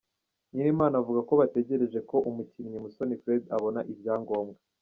Nyirimana avuga ko bategereje ko umukinnyi Musoni Fred abona ibyangombwa.